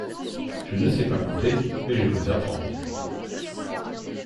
Je ne sais pas compter, mais je veux apprendre.